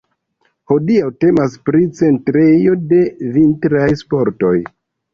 Hodiaŭ temas pri centrejo de vintraj sportoj.